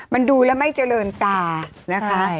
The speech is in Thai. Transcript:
มันดูแล้วไม่เจริญตานะคะ